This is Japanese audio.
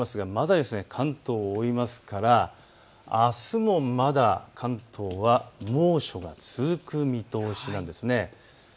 まだ関東を覆いますからあすもまだ関東は猛暑が続く見通しなんです。